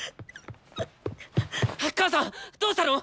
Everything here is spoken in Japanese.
母さんどうしたの！？